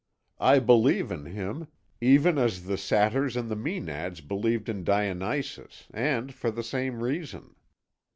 I believe in Him, even as the Satyrs and the Mænads believed in Dionysus and for the same reason.